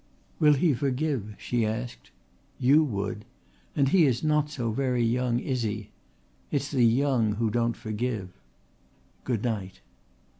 "Will he forgive?" she asked. "You would. And he is not so very young, is he? It's the young who don't forgive. Good night."